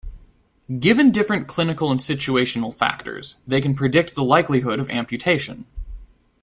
Given different clinical and situational factors, they can predict the likelihood of amputation.